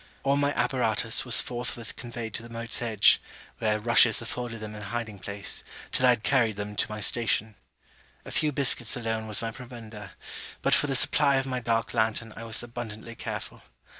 All my apparatus were forthwith conveyed to the moat's edge, where rushes afforded them an hiding place, till I had carried them to my station. A few biskets alone was my provender; but for the supply of my dark lantern I was abundantly careful.